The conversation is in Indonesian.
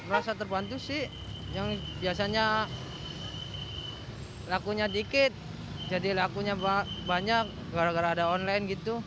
rasa terbantu sih yang biasanya lakunya dikit jadi lakunya banyak gara gara ada online gitu